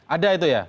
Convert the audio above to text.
ada itu ya